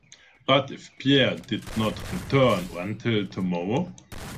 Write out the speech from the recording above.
But if Pierre did not return, until tomorrow.